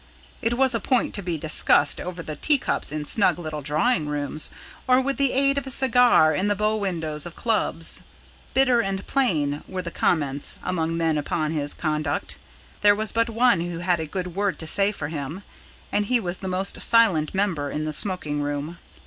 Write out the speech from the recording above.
It was a point to be discussed over the teacups in snug little drawing rooms, or with the aid of a cigar in the bow windows of clubs. Bitter and plain were the comments among men upon his conduct. There was but one who had a good word to say for him, and he was the most silent member in the smoking room.